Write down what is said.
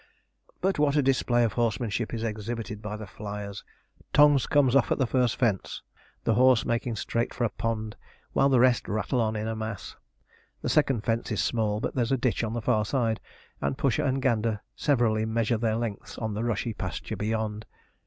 But what a display of horsemanship is exhibited by the flyers! Tongs comes off at the first fence, the horse making straight for a pond, while the rest rattle on in a mass. The second fence is small, but there's a ditch on the far side, and Pusher and Gander severally measure their lengths on the rushy pasture beyond.